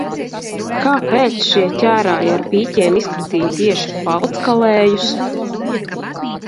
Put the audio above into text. "Kāpēc šie ķērāji ar pīķiem "izkratīja" tieši "Palckalējus"?"